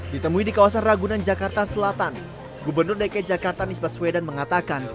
ditemui di kawasan ragunan jakarta selatan gubernur dki jakarta nisbah sweden mengatakan